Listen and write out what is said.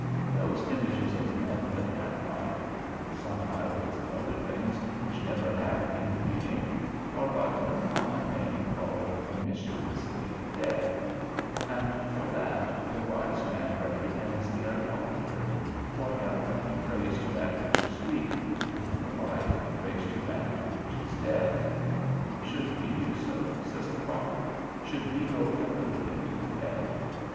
Those images of men that had life, and some idols of other things which never had any being, are by one common name called promiscuously dead; and for that the wise man reprehends the idolater, for health he prays to that which is weak, and for life he prays to that which is dead. Should we do so? says thy prophet; _should we go from the living to the dead?